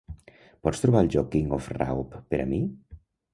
Pots trobar el joc King of Raop per a mi?